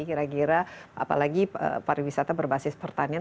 kira kira apalagi pariwisata berbasis pertanian